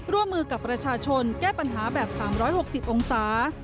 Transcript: ร่วมมือกับประชาชนแก้ปัญหาแบบ๓๖๐องศา